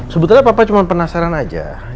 sebetulnya papa cuma penasaran aja